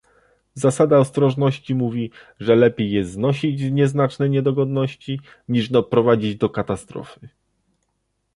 Zasada ostrożności mówi, że lepiej jest znosić nieznaczne niegodności, niż doprowadzić do katastrofy